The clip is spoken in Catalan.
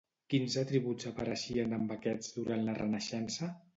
Quins atributs apareixien amb aquests durant la renaixença?